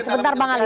sebentar bang ali